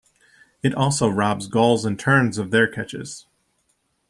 It also robs gulls and terns of their catches.